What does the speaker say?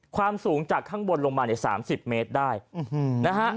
ความสูงจากข้างบนลงมาในสามสิบเมตรได้อื้อหือนะฮะ